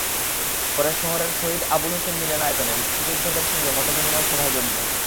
পরে শহরের শহীদ আবুল হোসেন মিলনায়তনে মুক্তিযোদ্ধাদের সঙ্গে মতবিনিময় সভায় যোগ দেন।